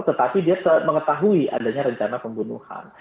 tetapi dia mengetahui adanya rencana pembunuhan